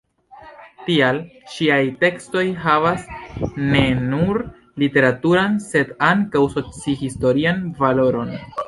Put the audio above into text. Tial ŝiaj tekstoj havas ne nur literaturan sed ankaŭ soci-historian valoron.